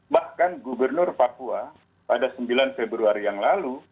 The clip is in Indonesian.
bahkan gubernur papua pada sembilan februari yang lalu